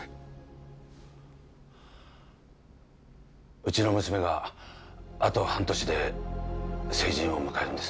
うちの娘があと半年で成人を迎えるんです